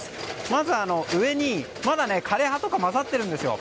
まず、上にまだ枯れ葉とかが交ざっているんですよ。